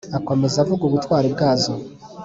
akomeza avuga ubutwari bwazo